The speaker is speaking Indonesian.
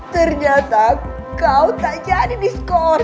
ternyata kau tak jadi di skor